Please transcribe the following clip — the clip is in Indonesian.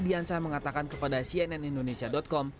diansah mengatakan kepada cnnindonesia com